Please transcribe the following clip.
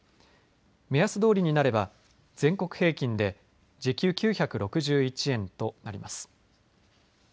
目安どおりになれば全国平均で時給９６１円となります。